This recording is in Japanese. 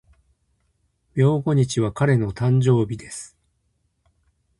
明後日は彼の誕生日です。